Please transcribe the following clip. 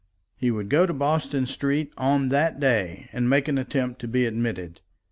He would go to Bolton Street on that day, and make an attempt to be admitted.